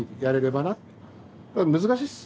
難しいっす。